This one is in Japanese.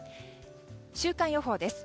週間予報です。